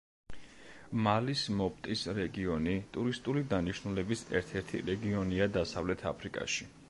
მალის მოპტის რეგიონი ტურისტული დანიშნულების ერთ-ერთი რეგიონია დასავლეთ აფრიკაში.